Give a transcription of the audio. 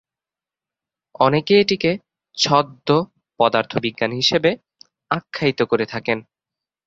অনেকে এটিকে ছদ্ম পদার্থবিজ্ঞান হিসাবে আখ্যায়িত করে থাকেন।